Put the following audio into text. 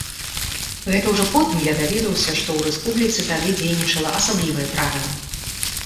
Гэта ўжо потым я даведаўся, што ў рэспубліцы тады дзейнічала асаблівае правіла.